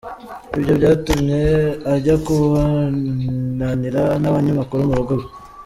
Ibyo byatumye ajya kubonanira n’abanyamakuru mu rugo iwe.